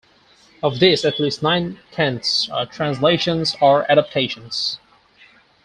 Of these at least nine-tenths are translations or adaptations.